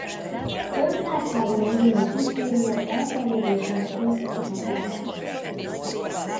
Több lágyszárú növény is itt éri el elterjedésének északi határát.